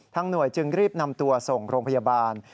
หน่วยจึงรีบนำตัวส่งโรงพยาบาล